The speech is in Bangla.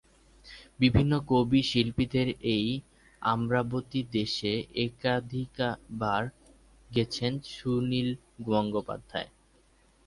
বিভিন্ন কবি-শিল্পীদের এই অমরাবতী দেশে একাধিকবার গেছেন সুনীল গঙ্গোপাধ্যায়।